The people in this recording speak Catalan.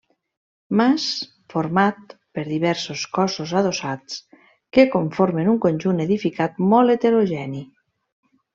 Mas format per diversos cossos adossats que conformen un conjunt edificat molt heterogeni.